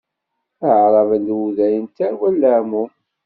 Aɛraben d Wudayen d tarwa n leɛmum.